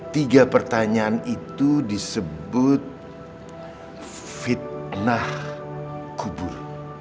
tiga pertanyaan itu disebut fitnah kubur